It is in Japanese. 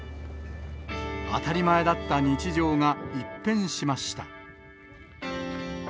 当たり前だった日常が一変しました。